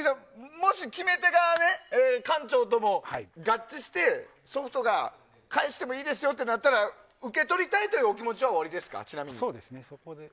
もし決め手が、館長とも合致してソフトを返してもいいですよってなったら受け取りたいというお気持ちはおありですか？